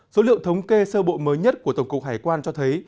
số liệu thống kê sơ bộ mới nhất của tổng cục hải quan cho thấy